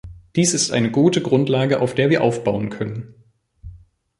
Dies ist eine gute Grundlage, auf der wir aufbauen können.